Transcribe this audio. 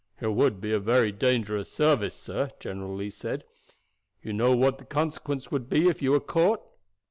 "It would be a very dangerous service, sir," General Lee said. "You know what the consequence would be if you were caught?"